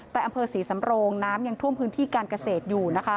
แต่อำเภาจาวสีสำรงกรั่งน้ำยังท่วมพื้นที่การเกษตรอยู่